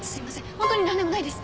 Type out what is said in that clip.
本当になんでもないです。